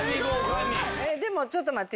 でもちょっと待って。